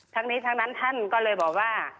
ทั้งนี้ทั้งนั้นท่านก็เลยบอกว่า